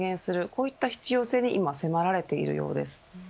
こういった必要性に今、迫られているようです